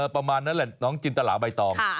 ประมาณนั้นแหละน้องจินตลาใบตอง